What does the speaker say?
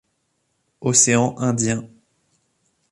Océan Indien